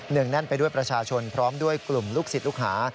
งแน่นไปด้วยประชาชนพร้อมด้วยกลุ่มลูกศิษย์ลูกหา